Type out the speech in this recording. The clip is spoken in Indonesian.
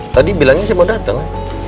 tadi bilangnya siapa dateng